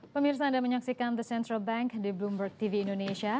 pemirsa anda menyaksikan the central bank di bloomberg tv indonesia